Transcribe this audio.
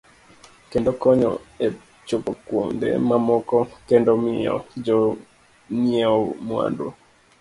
Kendo konyo e chopo kuonde mamoko kendo miyo jo ng'iewo mwandu.